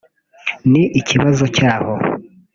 ni ikibazo cyaho